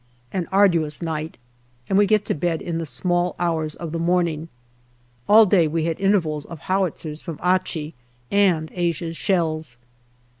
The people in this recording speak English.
An arduous night, and we get to bed in the small hours of the morning. All day we had intervals of howitzers from Achi and Asia's shells.